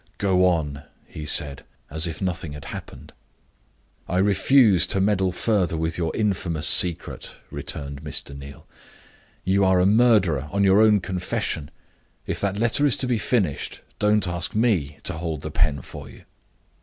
"Go on," he said, as if nothing had happened. "I refuse to meddle further with your infamous secret," returned Mr. Neal. "You are a murderer on your own confession. If that letter is to be finished, don't ask me to hold the pen for you."